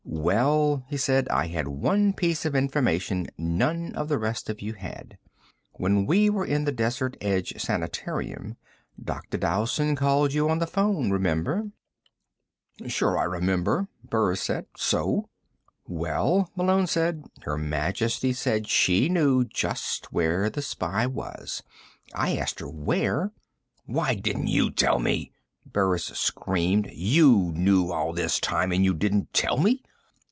"Well," he said, "I had one piece of information none of the rest of you had. When we were in the Desert Edge Sanitarium, Dr. Dowson called you on the phone. Remember?" "Sure I remember," Burris said. "So?" "Well," Malone said, "Her Majesty said she knew just where the spy was. I asked her where " "Why didn't you tell me?" Burris screamed. "You knew all this time and you didn't tell me?"